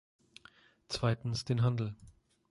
Zweitens den Handel.